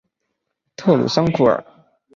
特鲁桑库尔。